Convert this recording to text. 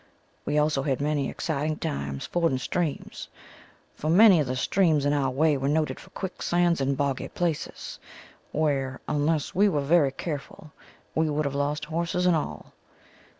We also had many exciting times fording streams for many of the streams in our way were noted for quicksands and boggy places, where, unless we were very careful, we would have lost horses and all.